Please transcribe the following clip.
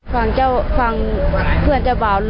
ฟังเจ้าฟังเพื่อนจ้ะ๒๐๐๐